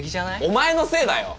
お前のせいだよ！